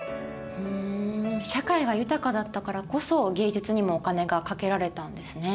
社会が豊かだったからこそ芸術にもお金がかけられたんですね。